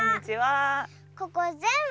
ここぜんぶ